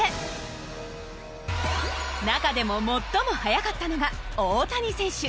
中でも最も早かったのが大谷選手。